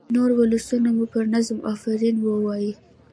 نور ولسونه مو پر نظم آفرین ووايي.